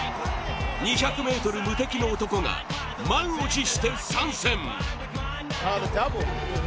２００ｍ無敵の男が満を持して参戦。